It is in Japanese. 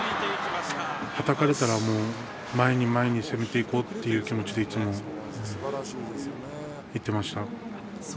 はたかれたら前に前に攻めていこうという気持ちでいつもいってました。